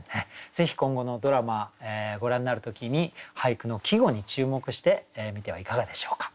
ぜひ今後のドラマご覧になる時に俳句の季語に注目して見てはいかがでしょうか。